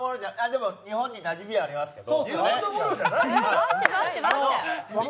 でも日本になじみはありますけど。